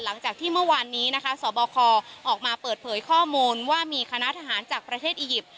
หลังจากที่เมื่อวานนี้นะคะสบคออกมาเปิดเผยข้อมูลว่ามีคณะทหารจากประเทศอียิปต์